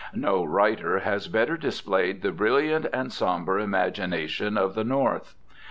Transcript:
No writer has better displayed the brilliant and sombre imagination of the North.